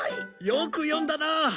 よく読んだなあ。